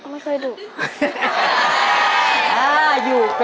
ไม่เคยดุ